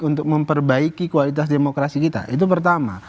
untuk memperbaiki kualitas demokrasi kita itu pertama